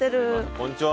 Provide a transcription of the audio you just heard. こんにちは。